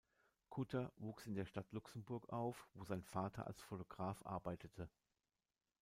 Kutter wuchs in der Stadt Luxemburg auf, wo sein Vater als Fotograf arbeitete.